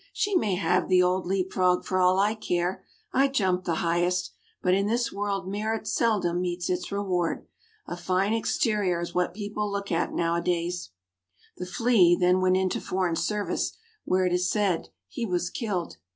"She may have the old Leap frog, for all I care. I jumped the highest; but in this world merit seldom meets its reward. A fine exterior is what people look at now a days." The Flea then went into foreign service, where, it is said, he was killed.